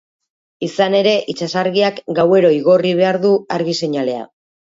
Izan ere, itsasargiak gauero igorri behar du argi-seinalea.